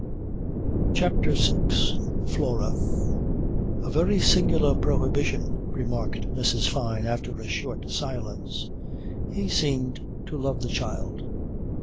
CHAPTER SIX FLORA "A very singular prohibition," remarked Mrs. Fyne after a short silence. "He seemed to love the child."